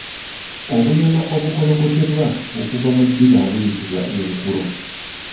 Obunyama obukolokotebwa okuva mu ddiba buyitibwa Enkulo.